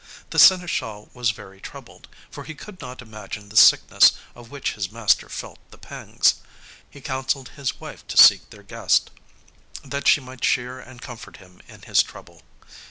The seneschal was very troubled, for he could not imagine the sickness of which his master felt the pangs. He counselled his wife to seek their guest, that she might cheer and comfort him in his trouble.